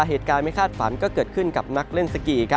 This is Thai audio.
เหตุการณ์ไม่คาดฝันก็เกิดขึ้นกับนักเล่นสกี